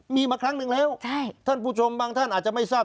มีมาครั้งหนึ่งแล้วท่านผู้ชมบางท่านอาจจะไม่ทราบ